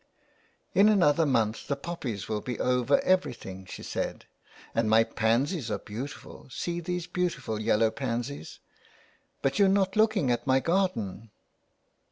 " In another month the poppies will be over every thing,'' she said, " and my pansies are beautiful — see these beautiful yellow pansies ! But you're not looking at my garden."